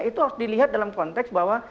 itu harus dilihat dalam konteks bahwa